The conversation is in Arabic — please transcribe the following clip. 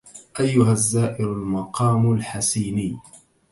أيها الزائر المقام الحسيني